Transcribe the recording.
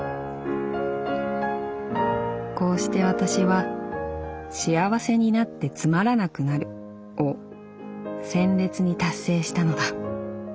「こうして私は『幸せになってつまらなくなる』を鮮烈に達成したのだ。